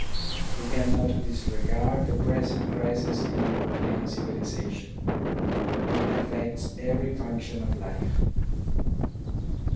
We cannot disregard the present crisis in Euro pean civilisation. It affects every function of life.